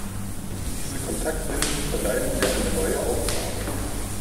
Diese Kontaktlinsen verleihen dir eine neue Augenfarbe.